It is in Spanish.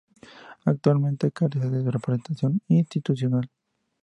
Actualmente carece de representación institucional.